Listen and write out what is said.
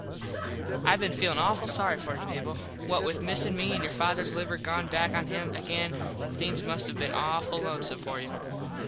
I been feelin awful sorry for you, Mable. What with missin me and your fathers liver gone back on him again things must have been awful lonesome for you.